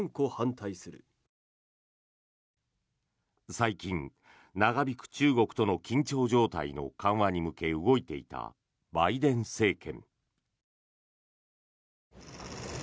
最近、長引く中国との緊張状態の緩和に向け動いていたバイデン政権。